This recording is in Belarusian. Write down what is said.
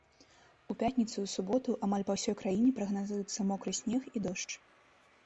У пятніцу і суботу амаль па ўсёй краіне прагназуюцца мокры снег і дождж.